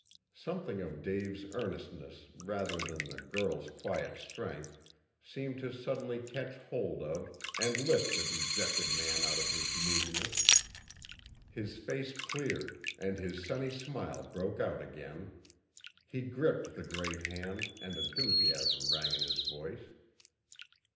Something of Dave's earnestness rather than the girl's quiet strength seemed to suddenly catch hold of and lift the dejected man out of his moodiness. His face cleared and his sunny smile broke out again. He gripped the great hand, and enthusiasm rang in his voice.